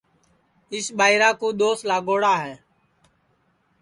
اِس ٻائیرا کُو دؔوس لاگوڑا ہے